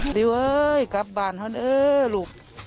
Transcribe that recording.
หลิวเฮ้ยกลับบ้านเฮ้นเอ้ยลูก